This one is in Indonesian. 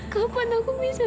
kapan aku bisa menyusui kafa